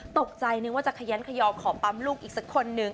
ตกใจนึกว่าจะขยันขยอขอปั๊มลูกอีกสักคนนึง